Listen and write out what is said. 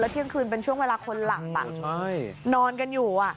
เที่ยงคืนเป็นช่วงเวลาคนหลับนอนกันอยู่